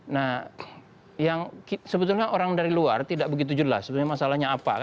nah yang sebetulnya orang dari luar tidak begitu jelas sebenarnya masalahnya apa